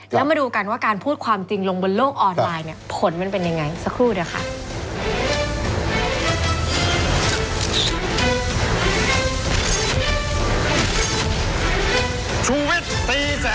แล้วมาดูกันว่าการพูดความจริงลงบนโลกออนไลน์เนี่ยผลมันเป็นยังไงสักครู่เดี๋ยวค่ะ